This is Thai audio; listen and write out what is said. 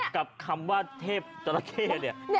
กับคำว่าเทพจราเค